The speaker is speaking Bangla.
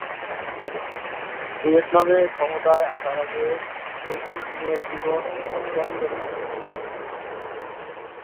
ভিয়েতনামে ক্ষমতায় আসার আগে হো চি মিনের জীবন অস্পষ্ট ছিল।